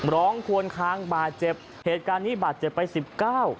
ควนคางบาดเจ็บเหตุการณ์นี้บาดเจ็บไปสิบเก้า